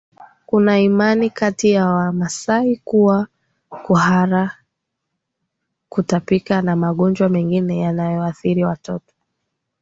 Kuna imani kati ya Wamasai kuwa kuhara kutapika na magonjwa mengine yanayoathiri watoto